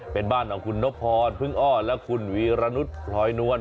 เป็นบ้านของคุณนพรพึ่งอ้อและคุณวีรนุษย์พลอยนวล